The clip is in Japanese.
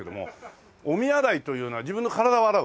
「御身あらい」というのは自分の体を洗う？